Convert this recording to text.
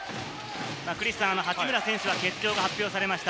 八村選手は欠場が発表されました。